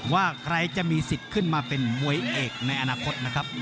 ว่าใครจะมีสิทธิ์ขึ้นมาเป็นมวยเอกในอนาคตนะครับ